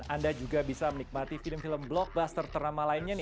anda juga bisa menikmati film film blockbuster ternama lainnya nih